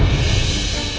mbak ada belanja disini